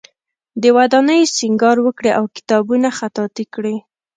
د ودانیو سینګار وکړي او کتابونه خطاطی کړي.